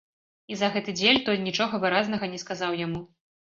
І за гэты дзель той нічога выразнага не сказаў яму.